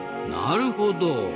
なるほど。